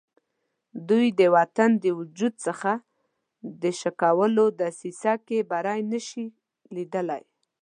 دوی د وطن د وجود څخه د شکولو دسیسه کې بری نه شي لیدلای.